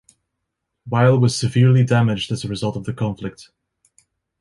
Weil was severely damaged as a result of the conflict.